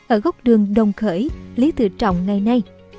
ở góc đường đồng khởi lý tự trọng ngày nay